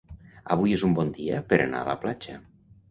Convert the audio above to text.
Avui és un bon dia per anar a la platja.